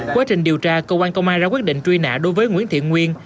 và đề nghị tìm kiểm tra đối với nguyễn thiện nguyên